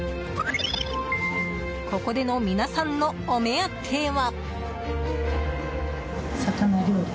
ここでの皆さんのお目当ては。